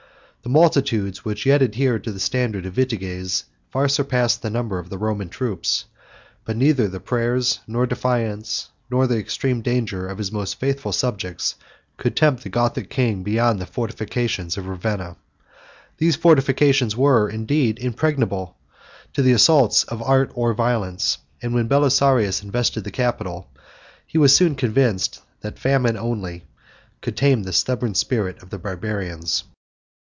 The multitudes which yet adhered to the standard of Vitiges far surpassed the number of the Roman troops; but neither prayers nor defiance, nor the extreme danger of his most faithful subjects, could tempt the Gothic king beyond the fortifications of Ravenna. These fortifications were, indeed, impregnable to the assaults of art or violence; and when Belisarius invested the capital, he was soon convinced that famine only could tame the stubborn spirit of the Barbarians.